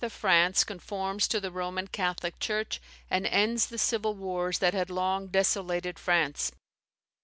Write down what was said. of France conforms to the Roman Catholic Church, and ends the civil wars that had long desolated France.